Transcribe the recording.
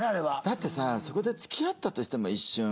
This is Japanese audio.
だってさそこで付き合ったとしても一瞬。